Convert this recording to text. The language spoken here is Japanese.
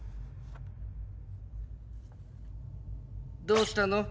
どうしたの？